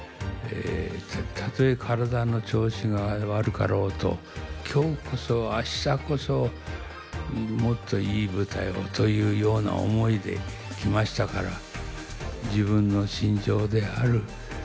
たとえ体の調子が悪かろうと「今日こそ明日こそもっといい舞台を」というような思いできましたから自分の信条である